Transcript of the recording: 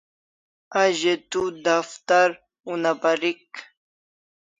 A ze tu daftar una parik